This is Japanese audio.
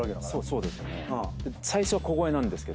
そうですよね。